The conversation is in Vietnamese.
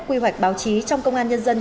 quy hoạch báo chí trong công an nhân dân